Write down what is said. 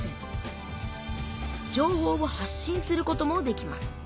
情報を発信することもできます。